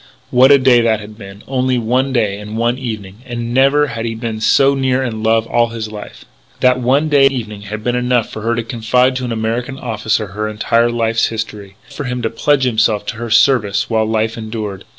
What a day that had been.... Only one day and one evening.... And never had he been so near in love in all his life.... That one day and evening had been enough for her to confide to an American officer her entire life's history.... Enough for him to pledge himself to her service while life endured....